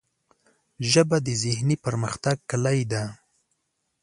ژبه د ذهني پرمختګ کلۍ ده